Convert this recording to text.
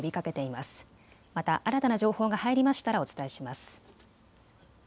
また新たな情報が入りましたらお伝えします。